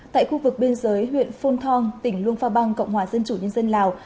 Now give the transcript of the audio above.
tại khu vực biên giới huyện phôn thong tỉnh luông pha băng cộng hòa dân chủ nhân dân lào